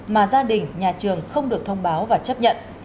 mà gia đình nhà trường không được thông báo và chấp nhận